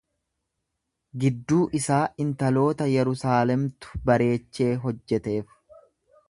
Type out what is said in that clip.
gidduu isaa intaloota Yerusaalemtu bareechee hojjeteef.